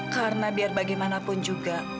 karena biar bagaimanapun juga